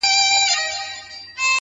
• تېرومه ژوند د دې ماښام په تمه..